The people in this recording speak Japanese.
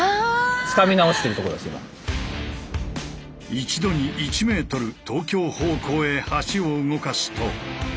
一度に１ｍ東京方向へ橋を動かすと。